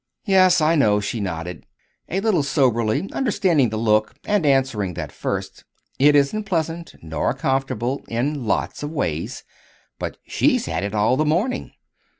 "Yes, I know," she nodded, a little soberly, understanding the look and answering that first; "it isn't pleasant nor comfortable, in lots of ways but she's had it all the morning.